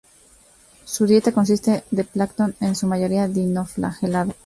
Su dieta consiste de plancton, en su mayoría dinoflagelados.